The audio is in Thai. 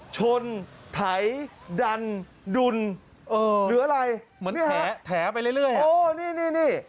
ชนถ่ายดันดุลเออหรืออะไรเหมือนแถบแถบไปเรื่อยเลยอ่ะโอ้นี่นี่นี่